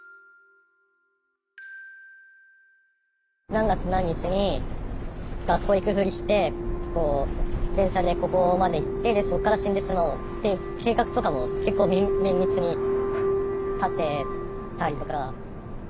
何月何日に学校行くふりして電車でここまで行ってでそこから死んでしまおうって計画とかも結構綿密に立てたりとか。